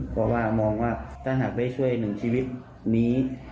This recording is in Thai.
เพราะว่ามองว่าถ้าหากได้ช่วยหนึ่งชีวิตนี้